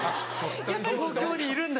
「東京にいるんだ」。